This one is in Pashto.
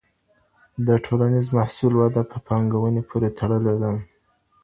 د ټولنیز محصول وده په پانګوني پورې تړلې ده.